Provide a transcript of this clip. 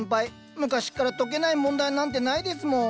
昔っから解けない問題なんてないですもん。